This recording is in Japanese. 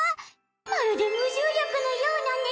まるで無重力のような寝心地！